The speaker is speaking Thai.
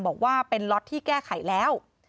บอกว่าเป็นล็อตที่แก้ไขแล้ว